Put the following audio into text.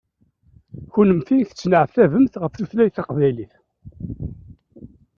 Kunemti tettneɛtabemt ɣef tutlayt taqbaylit.